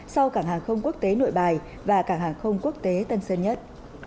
sau cảng hàng không quốc tế nội bài và cảng hàng không quốc tế tân sơn nhất